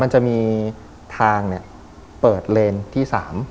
มันจะมีทางเปิดเลนที่๓